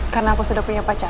karena aku sudah punya pacar